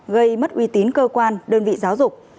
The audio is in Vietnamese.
gây mất uy tín cơ quan đơn vị giáo dục